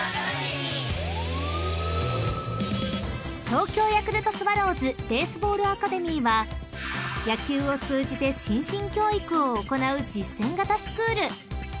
［東京ヤクルトスワローズベースボールアカデミーは野球を通じて心身教育を行う実践型スクール］